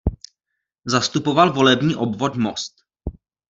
Zastupoval volební obvod Most.